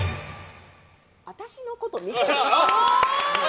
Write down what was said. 私のこと見てるの？